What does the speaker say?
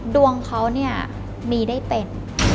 ดวงเขาเนี่ยมีได้เป็น